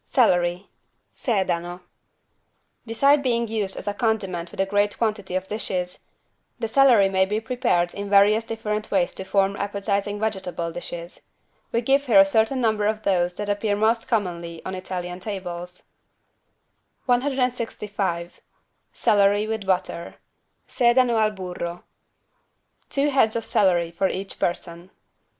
CELERY (Sedano) Beside being used as a condiment with a great quantity of dishes, the celery may be prepared in various different ways to form appetizing vegetable dishes. We give here a certain number of those that appear most commonly on Italian tables: 165 CELERY WITH BUTTER (Sedano al burro) Two heads of celery for each person.